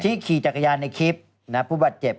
ขี่จักรยานในคลิปผู้บาดเจ็บ